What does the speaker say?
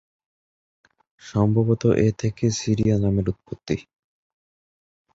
সম্ভবত এ থেকেই "সিরিয়া" নামটির উৎপত্তি।